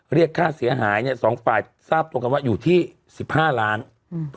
เรียกค่าเสียหายเนี่ยสองฝ่ายทราบตรงกันว่าอยู่ที่สิบห้าล้านอืม